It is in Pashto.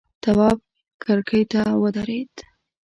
تواب کرکۍ ته ودرېد.